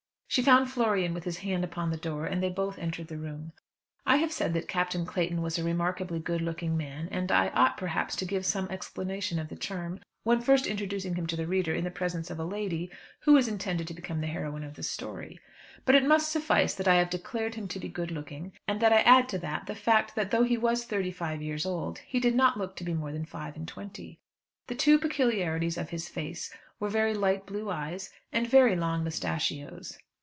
She found Florian with his hand upon the door, and they both entered the room. I have said that Captain Clayton was a remarkably good looking man, and I ought, perhaps, to give some explanation of the term when first introducing him to the reader in the presence of a lady who is intended to become the heroine of this story; but it must suffice that I have declared him to be good looking, and that I add to that the fact that though he was thirty five years old, he did not look to be more than five and twenty. The two peculiarities of his face were very light blue eyes, and very long moustachios.